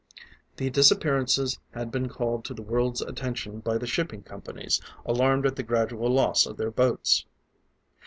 The disappearances had been called to the world's attention by the shipping companies, alarmed at the gradual loss of their boats.